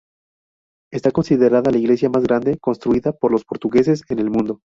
Está considerada la iglesia más grande construida por los portugueses en el mundo.